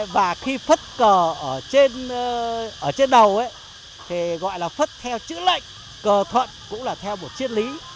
và khi phất cờ ở trên đầu thì gọi là phất theo chữ lệnh cờ thuận cũng là theo một chiết lý